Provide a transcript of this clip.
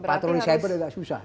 patroli cyber agak susah